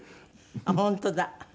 あっ本当だ。